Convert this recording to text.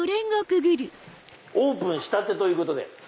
オープンしたてということで。